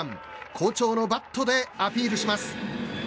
好調のバットでアピールします。